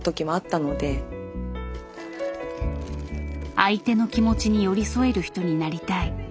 相手の気持ちに寄り添える人になりたい。